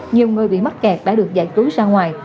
nhiều người bị mắc kẹt đã được giải cứu ra ngoài